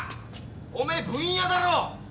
おめえ記者だろ！